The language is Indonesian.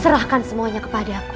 serahkan semuanya kepada aku